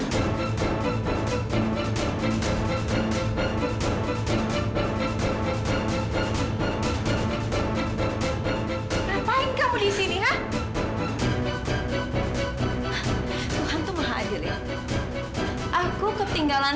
sampai jumpa di video selanjutnya